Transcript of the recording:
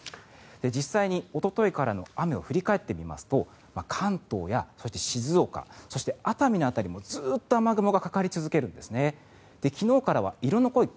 実際におとといからの雨を振り返ってみますと関東や、そして静岡そして熱海の辺りもずっと雨雲がかかり続けるんですね。